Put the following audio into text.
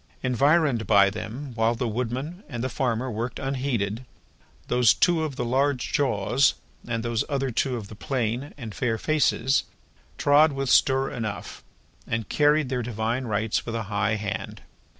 Environed by them, while the Woodman and the Farmer worked unheeded, those two of the large jaws, and those other two of the plain and the fair faces, trod with stir enough, and carried their divine rights with a high hand.